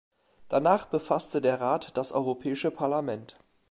Danach befasste der Rat das Europäische Parlament.